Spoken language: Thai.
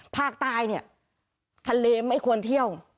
ภาคใต้เนี่ยทะเลไม่ควรเที่ยว